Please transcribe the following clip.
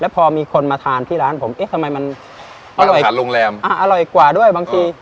แล้วพอมีคนมาทานที่ร้านผมเอ๊ะทำไมมันอร่อยกว่าด้วยบางที